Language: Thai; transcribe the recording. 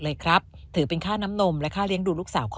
เลยครับถือเป็นค่าน้ำนมและค่าเลี้ยงดูลูกสาวข้อ